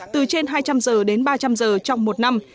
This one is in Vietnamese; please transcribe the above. từ trên hai trăm linh giờ đến ba trăm linh giờ trong một năm